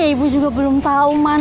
iya ibu juga belum tau man